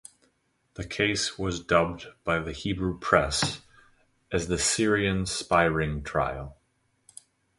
The case was dubbed by the Hebrew press as the Syrian spy ring trial.